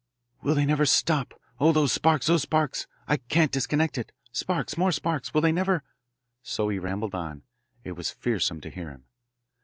"Will they never stop? Oh, those sparks, those sparks! I can't disconnect it. Sparks, more sparks will they never " So he rambled on. It was fearsome to hear him.